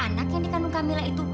anak yang dikandung camilla itu